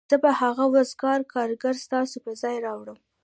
زه به هغه وزګار کارګر ستاسو پر ځای راوړم